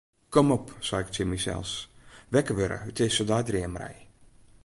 Kom op, sei ik tsjin mysels, wekker wurde út dizze deidreamerij.